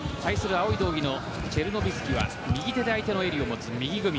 青い道着のチェルノビスキは右手で相手の襟を持つ右組み。